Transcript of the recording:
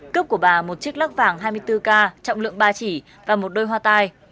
cướp của bà một chiếc lắc vàng hai mươi bốn k trọng lượng ba chỉ và một đôi hoa tai